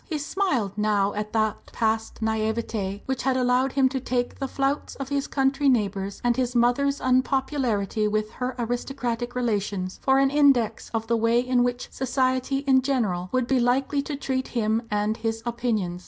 He smiled now at that past naïveté which had allowed him to take the flouts of his country neighbours and his mother's unpopularity with her aristocratic relations for an index of the way in which "society" in general would be likely to treat him and his opinions.